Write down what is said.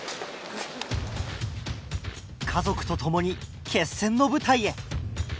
家族と共に決戦の舞台へ！